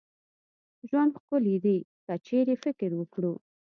ژوند ښکلې دي که چيري فکر وکړو